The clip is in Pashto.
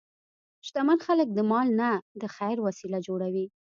شتمن خلک د مال نه د خیر وسیله جوړوي.